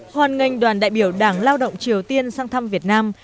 hoàn ngành đoàn đại biểu đảng lao động triều tiên sang thăm việt nam